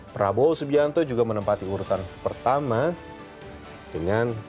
prabowo subianto juga menempati urutan pertama dengan empat puluh tiga tiga